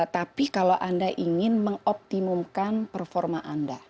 tapi kalau anda ingin mengoptimumkan performa anda